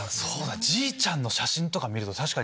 じいちゃんの写真とか見ると確かに。